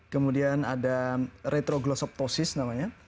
kemudian ada retroglossoptosis namanya